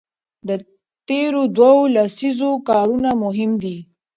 د تېرو دوو لسیزو کارونه مهم دي.